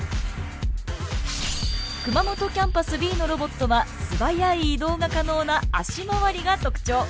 熊本キャンパスＢのロボットは素早い移動が可能な足回りが特徴。